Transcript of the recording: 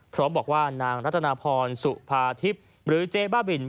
พร้อมบอกว่านางรัตนาพรสุภาทิพย์หรือเจ๊บ้าบิน